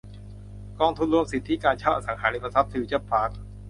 กองทุนรวมสิทธิการเช่าอสังหาริมทรัพย์ฟิวเจอร์พาร์ค